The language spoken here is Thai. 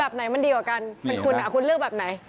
แบบไหนมันดีกว่ากันคุณเลือกแบบไหน